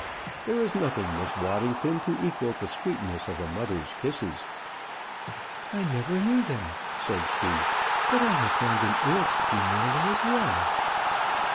There is nothing, Miss Waddington, to equal the sweetness of a mother's kisses." "I never knew them," said she. "But I have found an aunt's do nearly as well."